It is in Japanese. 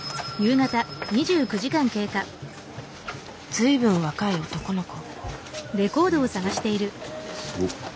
随分若い男の子。